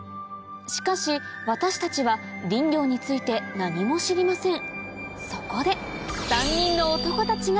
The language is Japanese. しかし私たちは林業について何も知りません